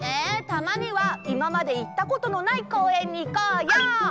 たまにはいままでいったことのないこうえんにいこうよ！